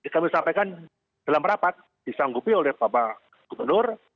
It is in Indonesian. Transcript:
kami sampaikan dalam rapat disanggupi oleh bapak gubernur